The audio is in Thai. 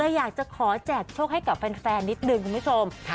เลยอยากจะขอแจกโชคให้กับแฟนแฟนนิดหนึ่งคุณผู้ชมค่ะ